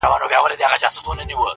زموږ پر مځکه په هوا کي دښمنان دي،